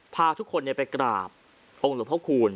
พาทุกคนไปกราบองค์หลวงพ่อคูณ